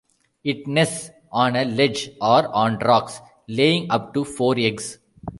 It nests on a ledge or on rocks, laying up to four eggs.